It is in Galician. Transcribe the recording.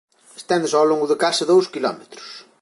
Esténdese ó longo de case dous quilómetros.